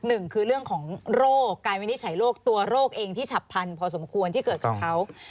หนึ่งคือเรื่องของโรคการวินิจฉัยโรคตัวโรคเองที่ฉับพันธุ์ที่เกิดกับเขา